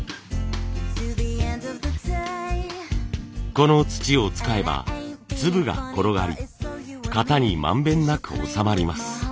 この土を使えば粒が転がり型に満遍なく収まります。